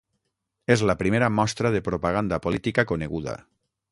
És la primera mostra de propaganda política coneguda.